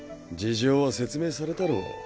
事情は説明されたろう。